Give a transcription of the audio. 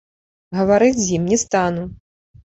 Гаварыць з ім не стану!